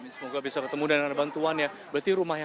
semoga bisa ketemu dan ada bantuan ya